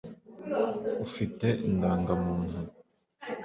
ufite indangamuntu